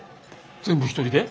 全部一人で？